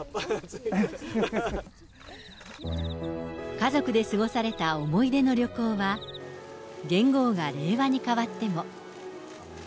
家族で過ごされた思い出の旅行は、元号が令和に変わっても。